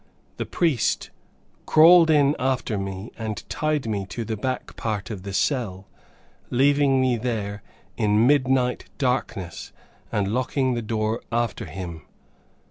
The priest crawled in after me and tied me to the back part of the cell, leaving me there in midnight darkness, and locking the door after him.